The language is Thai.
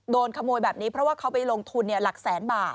โดนขโมยแบบนี้เพราะว่าเขาไปลงทุนหลักแสนบาท